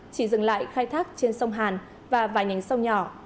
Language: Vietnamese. chỉ dừng lại khai thác trên sông hàn và vài nhánh sông nhỏ